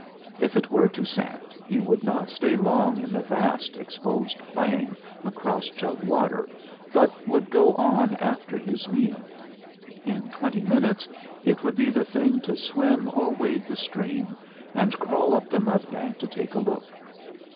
If it were Toussaint, he would not stay long in the vast exposed plain across Chug Water, but would go on after his meal. In twenty minutes it would be the thing to swim or wade the stream, and crawl up the mud bank to take a look.